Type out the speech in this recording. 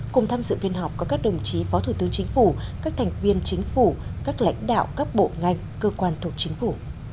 cùng tham dự phiên họp có các đồng chí phó thủ tướng chính phủ các thành viên chính phủ các lãnh đạo các bộ ngành cơ quan thuộc chính phủ